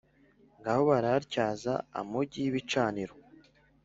ngaho barayatyaza amugi y’ibicaniro,